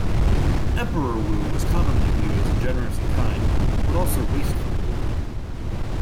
Emperor Wu was commonly viewed as a generous and kind, but also wasteful, ruler.